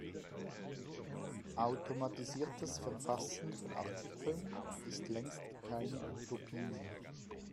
Automatisiertes Verfassen von Artikeln ist längst keine Utopie mehr.